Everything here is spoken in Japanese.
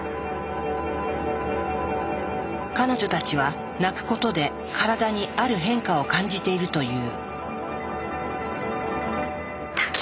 彼女たちは泣くことで体にある変化を感じているという。